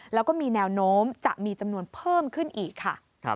แล้วก็มีแนวโน้มจะมีจำนวนเพิ่มขึ้นอีกค่ะ